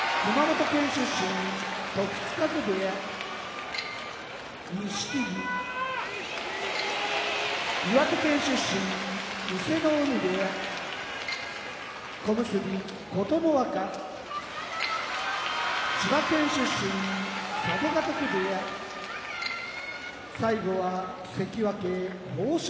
時津風部屋錦木岩手県出身伊勢ノ海部屋小結・琴ノ若千葉県出身佐渡ヶ嶽部屋関脇豊昇